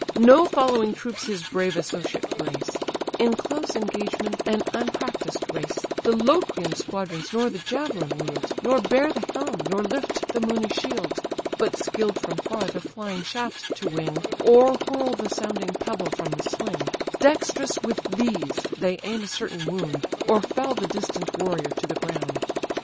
No following troops his brave associate grace: In close engagement an unpractised race, The Locrian squadrons nor the javelin wield, Nor bear the helm, nor lift the moony shield; But skill'd from far the flying shaft to wing, Or whirl the sounding pebble from the sling, Dexterous with these they aim a certain wound, Or fell the distant warrior to the ground.